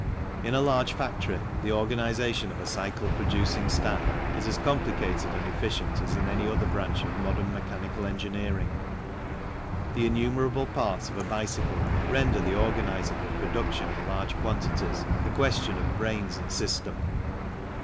In a large factory the organization of a cycle producing staff is as complicated and efficient as in any other branch 94 THE CYCLE INDUSTRY of modern mechanical engineering. The innumerable parts of a bicycle render the organizing of production in large quantities a question of brains and system.